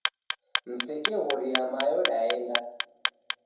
Msekeghoria mayo daenda.